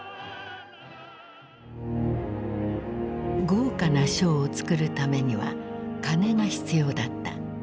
豪華なショーを作るためには金が必要だった。